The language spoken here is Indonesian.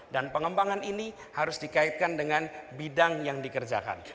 dan pengembangan ini harus dikaitkan dengan bidang yang dikerjakan